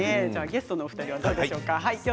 ゲストのお二人はどうでしょうか。